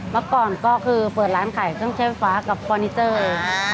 แล้วก่อนก็คือเปิดร้านขายกับเฟอร์นิเจอร์